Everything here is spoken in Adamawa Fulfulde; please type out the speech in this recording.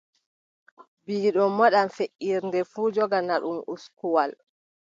Biiɗo moɗan feʼirde fuu, jogana ɗum uskuwal.